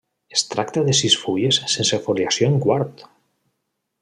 Es tracta de sis fulles sense foliació en quart.